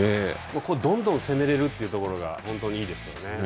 どんどん攻めれるというところが本当にいいですよね。